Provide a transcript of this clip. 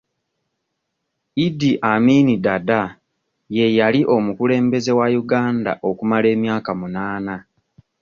Idi Amin Dada ye yali omukulembeze wa Uganda okumala emyaka munaana.